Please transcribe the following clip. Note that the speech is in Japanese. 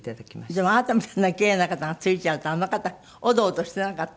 でもあなたみたいなキレイな方が付いちゃうとあの方オドオドしてなかった？